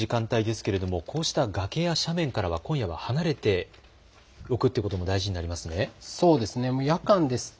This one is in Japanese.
暗くなる時間帯ですけれども、この時間、崖や斜面などからは今夜、離れておくということも大事になりますね。